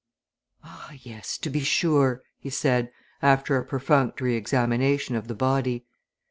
"Ah yes, to be sure!" he said, after a perfunctory examination of the body.